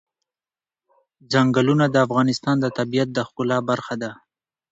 ځنګلونه د افغانستان د طبیعت د ښکلا برخه ده.